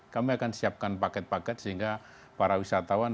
kami akan siapkan paket paket sehingga para wisatawan